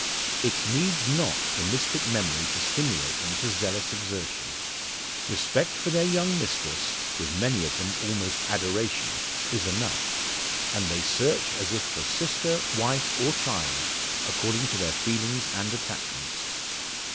It needs not the mystic memory to stimulate them to zealous exertion. Respect for their young mistress with many of them almost adoration is enough; and they search as if for sister, wife, or child according to their feelings and attachments.